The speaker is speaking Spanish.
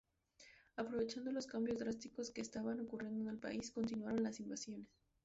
Aprovechando los cambios drásticos que estaban ocurriendo en el país, continuaron las invasiones.